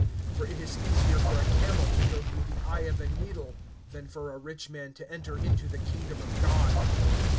(25)For it is easier for a camel to go through the eye of a needle, than for a rich man to enter into the kingdom of God.